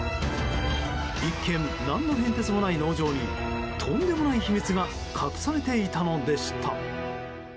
一見、何の変哲もない農場にとんでもない秘密が隠されていたのでした。